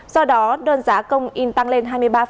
do đó đơn giá công in tăng lên hai mươi ba